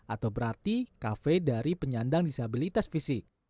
atau berarti kafe dari penyandang disabilitas fisik